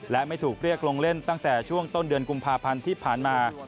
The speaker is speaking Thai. และไม่ถูกเรียกลงเล่นตั้งแต่ช่วงต้นเดือนกุมภาพันธ์ที่ผ่านมา